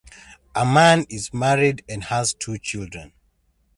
Ammann is married and has two children.